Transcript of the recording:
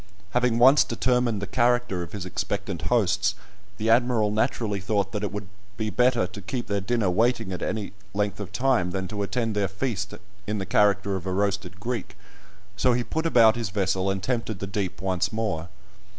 Having once determined the character of his expectant hosts, the Admiral naturally thought that it would he better to keep their dinner waiting any length of time than to attend their feast in the character of a roasted Greek, so he put about his vessel, and tempted the deep once more.